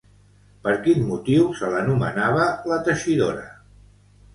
Per quin motiu se l'anomenava La Teixidora?